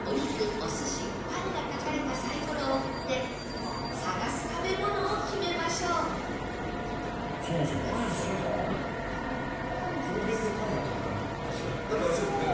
「お寿司」「パン」が描かれたサイコロを振って探す食べ物を決めましょうなんかありそうですね。